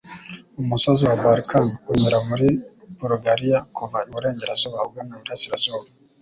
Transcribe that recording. Umusozi wa Balkan unyura muri Bulugariya kuva iburengerazuba ugana iburasirazuba.